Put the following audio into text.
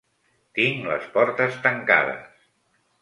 Tinc les portes tancades.